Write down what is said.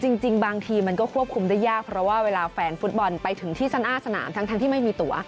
จริงบางทีมันก็ควบคุมได้ยากเพราะว่าเวลาแฟนฟุตบอลไปถึงที่สั้นอ้าสนามทั้งที่ไม่มีตัว